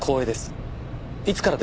いつからですか？